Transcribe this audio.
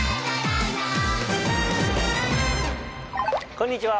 こんにちは